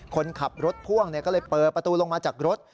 คนขับรถพ่วงก็เลยเปิดประตูลงมาจากรถ